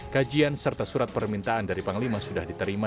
kajian serta surat permintaan dari panglima sudah diterima